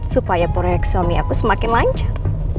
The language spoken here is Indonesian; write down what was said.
supaya proyek suami aku semakin lancar